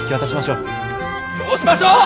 そうしましょう！